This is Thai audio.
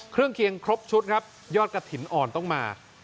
เครื่องเคียงครบชุดครับยอดกระถิ่นอ่อนต้องมา